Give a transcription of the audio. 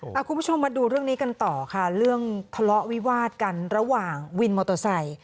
คุณผู้ชมมาดูเรื่องนี้กันต่อค่ะเรื่องทะเลาะวิวาดกันระหว่างวินมอเตอร์ไซค์